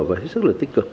và rất là tích cực